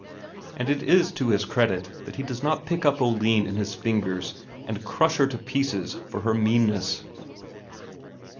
And it is to his credit that he does not pick up Oline in his fingers and crush her to pieces for her meanness.